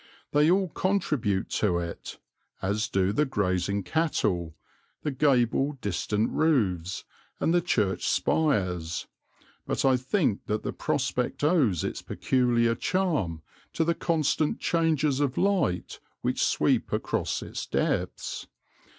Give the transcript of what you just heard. They all contribute to it, as do the grazing cattle, the gabled distant roofs, and the church spires, but I think that the prospect owes its peculiar charm to the constant changes of light which sweep across its depths.